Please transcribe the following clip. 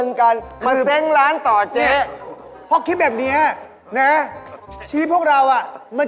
แต่เวลาถ้าเรามีกันเงินเข้าร้าน